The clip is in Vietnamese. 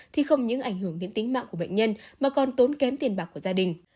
thì không những ảnh hưởng đến tính mạng của bệnh nhân mà còn tốn kém tiền bạc của gia đình